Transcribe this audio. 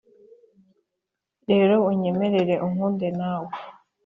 rero unyemerere unkunde nawe